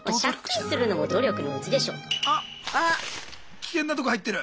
危険なとこ入ってる。